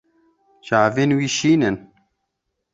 Çavên wî şîn in.